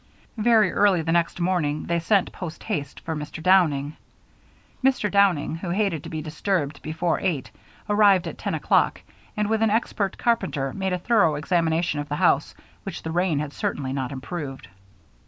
Very early the next morning they sent post haste for Mr. Downing. Mr. Downing, who hated to be disturbed before eight, arrived at ten o'clock; and, with an expert carpenter, made a thorough examination of the house, which the rain had certainly not improved.